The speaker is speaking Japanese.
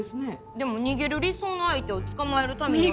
でも逃げる理想の相手をつかまえるためには。